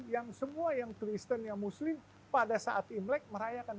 yang semua yang kristen yang muslim pada saat imlek merayakan